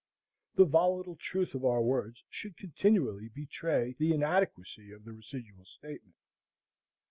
The volatile truth of our words should continually betray the inadequacy of the residual statement.